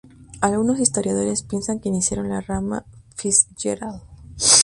Algunos historiadores piensan que iniciaron la rama Fitzgerald.